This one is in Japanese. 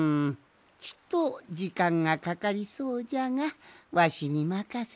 ちとじかんがかかりそうじゃがわしにまかせなさい。